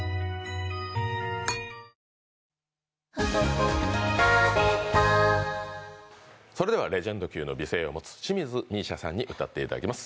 三菱電機それではレジェンド級の美声を持つ清水美依紗さんに歌っていただきます。